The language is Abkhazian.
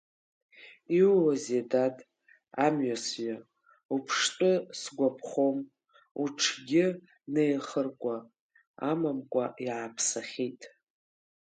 Иууазеи, дад, амҩасҩы, уԥштәы сгәаԥхом, уҽгьы неихыркәа амамкәа иааԥсахьеит.